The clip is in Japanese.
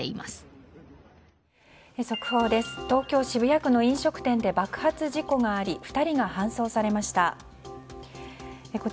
東京・渋谷区の飲食店で爆発事故があり２人が搬送されました。